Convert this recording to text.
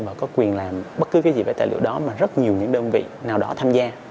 và có quyền làm bất cứ cái gì về tài liệu đó mà rất nhiều những đơn vị nào đó tham gia